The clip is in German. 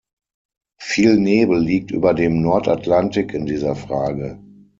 Viel Nebel liegt über dem Nordatlantik in dieser Frage.